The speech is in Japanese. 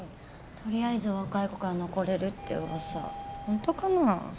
とりあえず若い子から残れるってうわさほんとかな？